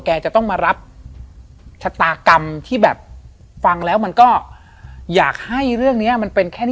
ของจิตใจคนน่ากลัวผีเยอะเลยนะ